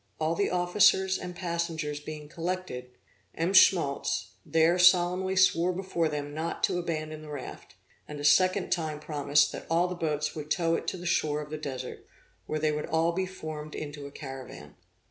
All the officers and passengers being collected, M. Schmaltz, there solemnly swore before them not to abandon the raft, and a second time promised that all the boats would tow it to the shore of the Desert, where they would all be formed into a caravan.